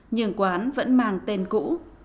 nhưng quán vẫn mang tên cũ